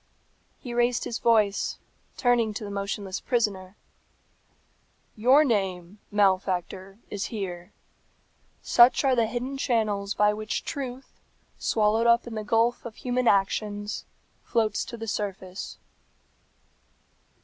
He raised his voice, turning to the motionless prisoner, "Your name, malefactor, is here. Such are the hidden channels by which truth, swallowed up in the gulf of human actions, floats to the surface."